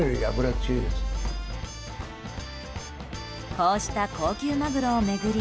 こうした高級マグロを巡り